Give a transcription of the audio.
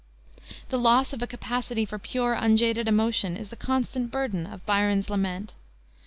The loss of a capacity for pure, unjaded emotion is the constant burden of Byron's lament.